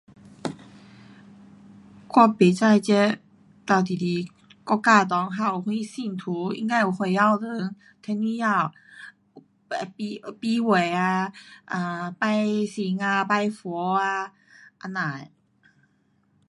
我不知这哒几时国家内还有什信徒，应该有回教堂，天主教，um 美会啊，um 拜神啊，拜佛啊，这样的